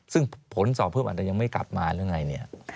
ซึ่งผลสอบเพิ่มอาจจะยังไม่กลับมาหรือไงเนี่ย